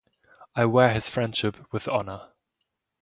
I wear his friendship with honor.